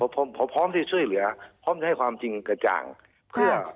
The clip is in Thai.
พร้อมได้ช่วยเหลือพร้อมให้ความจริงต่างไป